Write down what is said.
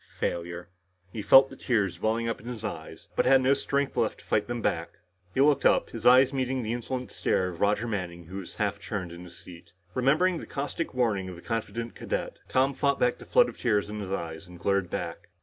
Failure. He felt the tears welling in his eyes, but had no strength left to fight them back. He looked up, his eyes meeting the insolent stare of Roger Manning who was half turned in his seat. Remembering the caustic warning of the confident cadet, Tom fought back the flood in his eyes and glared back.